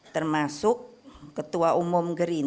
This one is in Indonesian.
termasuk ketua umum geris